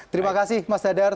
terima kasih mas dadar